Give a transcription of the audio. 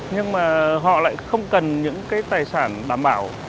nhưng mà họ lại không cần những cái tài sản đảm bảo